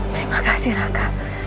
terima kasih raka